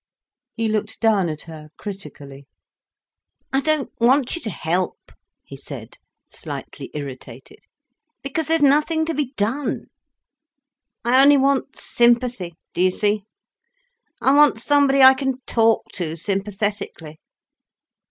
He looked down at her critically. "I don't want you to help," he said, slightly irritated, "because there's nothing to be done. I only want sympathy, do you see: I want somebody I can talk to sympathetically.